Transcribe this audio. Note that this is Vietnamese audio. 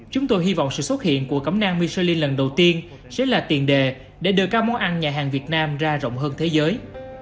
chúng tôi hy vọng sự xuất hiện của cẩm nang michelin lần đầu tiên sẽ là tiền đề để đưa các món ăn nhà hàng việt nam ra rộng hơn thế giới